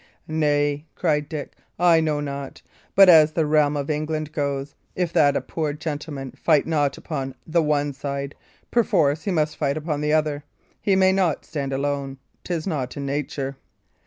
"Nay," cried Dick, "I know not. But as the realm of England goes, if that a poor gentleman fight not upon the one side, perforce he must fight upon the other. He may not stand alone; 'tis not in nature."